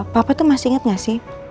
papa tuh masih inget gak sih